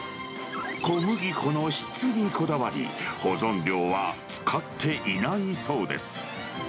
小麦粉の質にこだわり、保存料は使っていないそうです。